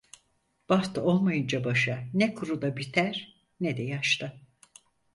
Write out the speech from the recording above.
Baht olmayınca başa, ne kuruda biter ne de yaşta.